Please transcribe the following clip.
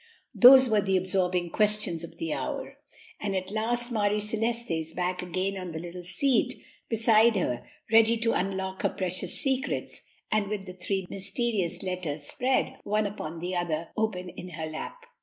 Those were the absorbing questions of the hour; and at last Marie Celeste is back again on the little seat beside her, ready to unlock her precious secrets, and with the three mysterious letters spread, one upon the other, open in her lap.